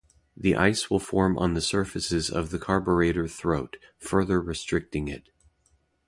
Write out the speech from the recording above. The ice will form on the surfaces of the carburetor throat, further restricting it.